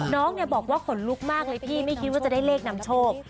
น้องบอกว่าขนลุกมากเลยพี่ไม่คิดว่าจะได้เลขนำโชค